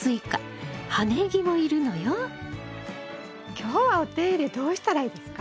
今日はお手入れどうしたらいいですか？